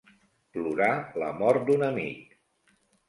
Plorar la mort d'un amic.